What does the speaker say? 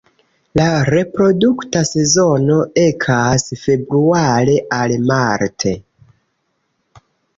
La reprodukta sezono ekas februare al marte.